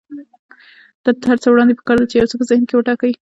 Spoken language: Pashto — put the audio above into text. تر هر څه وړاندې پکار ده چې يو څه په ذهن کې وټاکئ.